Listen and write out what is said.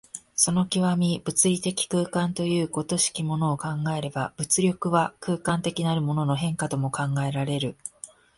その極、物理的空間という如きものを考えれば、物力は空間的なるものの変化とも考えられる。